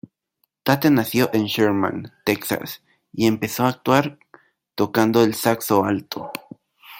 Tate nació en Sherman, Texas y empezó actuar tocando el saxo alto.